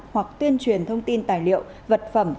hoặc tuyên truyền thông tin tài liệu vật phẩm